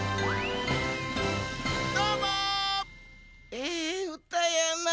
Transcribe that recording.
ええうたやな。